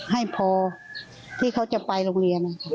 ให้พอที่เขาจะไปโรงเรียน